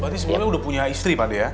berarti sebenarnya udah punya istri pak d ya